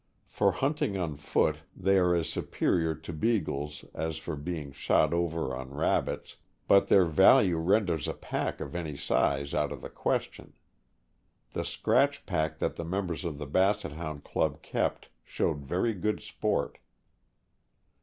For hunting on foot they are as superior to Beagles as for being shot over on rabbits, but their value renders a pack of any size out of the question. The scratch pack that the members of the Basset Hound Club kept, showed very good sport.